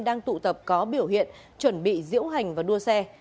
đang tụ tập có biểu hiện chuẩn bị diễu hành và đua xe